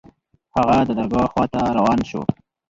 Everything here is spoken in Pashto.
هغه د درګاه خوا ته روان سو.